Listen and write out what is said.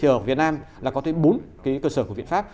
ở việt nam là có bốn cơ sở của viện pháp